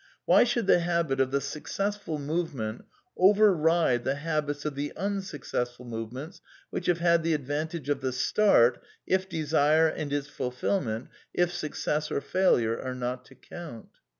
Why should the habit of the successful movement override the habits of the un successful movements, which have had the advantage of the start, if desire and its fulfilment, if success or failure are not to count